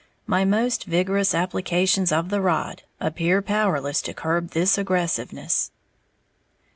My most vigorous applications of the rod appear powerless to curb this aggressiveness.